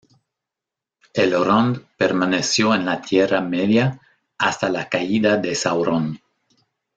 Elrond permaneció en la Tierra Media hasta la caída de Sauron.